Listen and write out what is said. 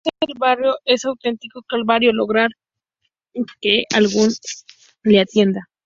si no es del barrio, es un auténtico calvario lograr que alguien le atienda